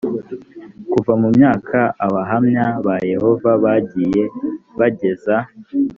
kuva mu myaka abahamya ba yehova bagiye bageza